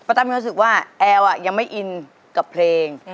ปะตั๊กมีความรู้สึกว่าแอลยังไม่อินกับเพลง